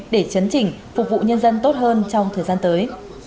để chấn chỉnh phục vụ nhân dân tốt hơn trong thời gian tới